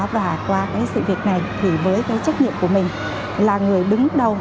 và qua cái sự việc này thì với cái trách nhiệm của mình là người đứng đầu